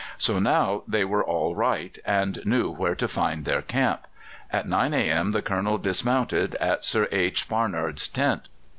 So now they were all right, and knew where to find their camp. At 9 a.m. the Colonel dismounted at Sir H. Barnard's tent.